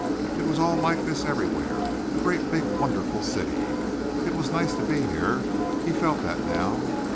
It was all like this everywhere, a great big, wonderful city. It was nice to be here. He felt that now.